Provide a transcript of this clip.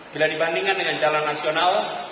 bila dibandingkan dengan jalan nasional